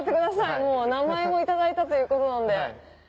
もう名前も頂いたということなので。